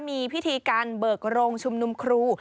มีพิธีการเบิกโรงชุมนุมครู